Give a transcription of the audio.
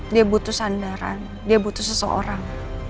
dia butuh sandaran dia butuh seseorang